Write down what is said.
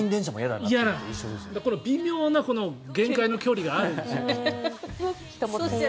だからこの微妙な限界の距離があるんですよ。